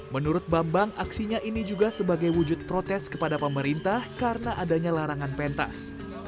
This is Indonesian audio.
menurut bambang aksinya ini juga sebagai wujud protes kepada pemerintah karena adanya larangan pentas